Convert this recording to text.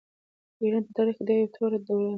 د ایران په تاریخ کې دا یوه توره دوره وه.